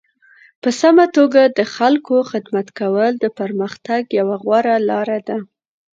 په سمه توګه د خلکو خدمت کول د پرمختګ یوه غوره لاره ده.